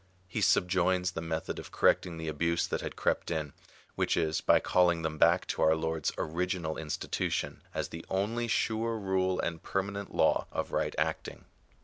He subjoins the method of correcting the abuse that had crept in, which is by calling them back to our Lord's original institution, as the only sure rule and permanent law of right acting.